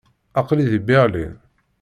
Aql-i di Berlin.